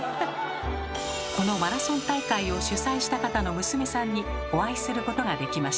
このマラソン大会を主催した方の娘さんにお会いすることができました。